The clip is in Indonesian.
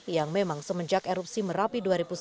yang memang semenjak erupsi merapi dua ribu sepuluh